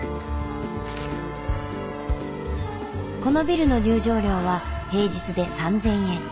このビルの入場料は平日で３，０００円。